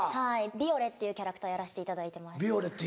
ヴィオレっていうキャラクターやらせていただいてます。